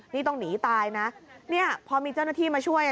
นี่ต้องหนีตายนะเนี่ยพอมีเจ้าหน้าที่มาช่วย